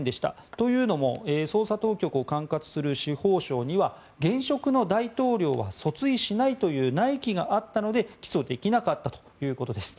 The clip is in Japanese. というのも捜査当局を管轄する司法省には現職の大統領は訴追しないという内規があったので起訴できなかったということです。